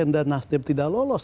dan nasdem tidak lolos